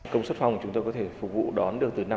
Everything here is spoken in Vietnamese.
công suất phòng chúng tôi có thể phục vụ đón đường từ